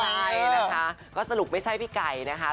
ใช่นะคะก็สรุปไม่ใช่พี่ไก่นะคะ